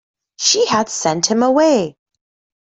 She had sent him away!